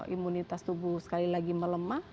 imunitas tubuh sekali lagi melemah